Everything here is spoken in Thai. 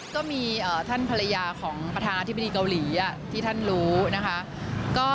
ก็มีท่านภรรยาของประธานาธิบดีเกาหลีที่ท่านรู้นะคะ